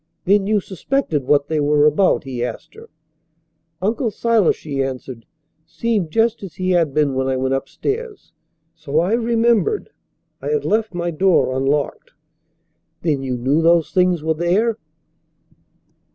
"Then you suspected what they were about?" he asked her. "Uncle Silas," she answered, "seemed just as he had been when I went upstairs, so I wondered, and I remembered I had left my door unlocked." "Then you knew those things were there?"